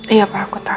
iya pa aku tau